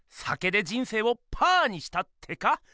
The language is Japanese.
酒で人生をパーにしたってか？